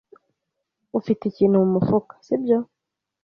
Ufite ikintu mu mufuka, sibyo?